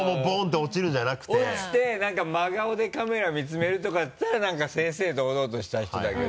落ちて何か真顔でカメラ見つめるとかだったら何か正々堂々とした人だけど。